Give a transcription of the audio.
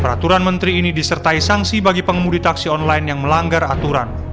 peraturan menteri ini disertai sanksi bagi pengemudi taksi online yang melanggar aturan